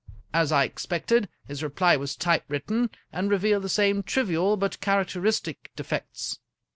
As I expected, his reply was typewritten, and revealed the same trivial but characteristic defects.